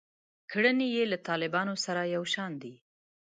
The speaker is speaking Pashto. کړنې یې له طالبانو سره یو شان دي.